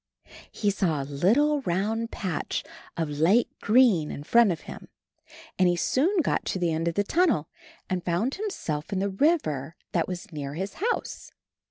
He saw a little round patch of light green in front of him, and he soon got to the end of the tun nel, and found himself in the river that was near his house.